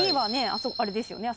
あそこですよね。